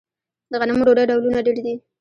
د غنمو ډوډۍ ډولونه ډیر دي.